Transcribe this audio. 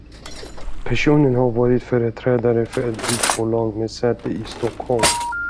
Personen har varit företrädare för ett byggbolag med säte i Stockholm.